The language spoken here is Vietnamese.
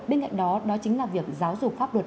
bên cạnh đó đó chính là việc giáo dục pháp luật